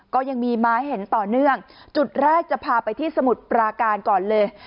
ก็ยังมีม้าเห็นต่อเนื่องจุดแรกจะพาไปที่สมุทรปราการก่อนเลย